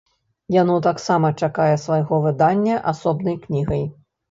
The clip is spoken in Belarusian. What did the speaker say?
Яно таксама чакае свайго выдання асобнай кнігай.